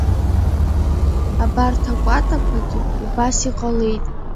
Абарҭ акәатақәагьы убас иҟалеит.